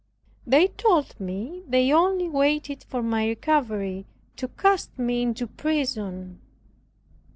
They told me they only waited for my recovery to cast me into prison.